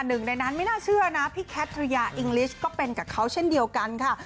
หนึ่งในนั้นไม่น่าเชื่อนะพี่แคทริยาอิงลิชก็เป็นกับเขาเช่นเดียวกันค่ะ